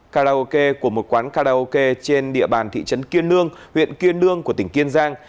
karaoke của một quán karaoke trên địa bàn thị trấn kiên nương huyện kiên nương của tỉnh kiên giang